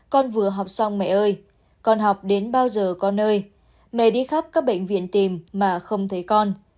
con vừa học xong mẹ ơi con học đến bao giờ con ơi mẹ đi khắp các bệnh viện tìm mà không thấy con